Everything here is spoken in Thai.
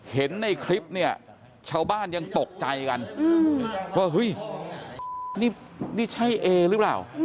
เห็นในคลิปเนี่ยชาวบ้านยังตกใจกันว่าเฮ้ยนี่ใช่เอหรือเปล่า